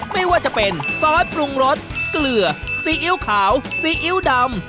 ไม่ว่าจะเป็นซอสปรุงรสเกลือซีอิ๊วขาวซีอิ๊วดำ